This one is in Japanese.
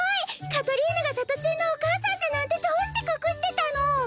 カトリーヌがさとちんのお母さんだなんてどうして隠してたの？